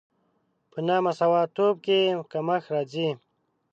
په نامساواتوب کې کمښت راځي.